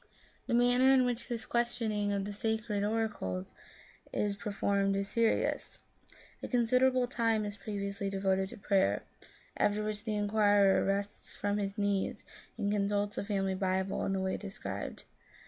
The manner in which this questioning of the sacred oracles is performed is serious. A consider able time is previously devoted to prayer, after which the inquirer rises from his knees and consults the family Bible in the way described.